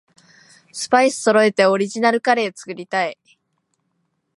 スパイスそろえてオリジナルカレー作りたい